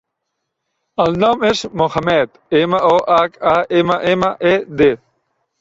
El nom és Mohammed: ema, o, hac, a, ema, ema, e, de.